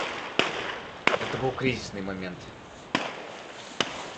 Это был кризисный момент.